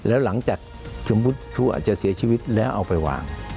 แล้วหลังจากชมพู่ทั่วอาจจะเสียชีวิตและเอาไปวาง